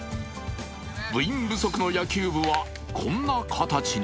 部員不足の野球部はこんな形に。